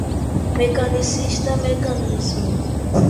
Mecanicista, mecanicismo